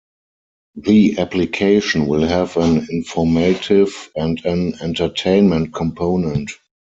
The application will have an informative and an entertainment component.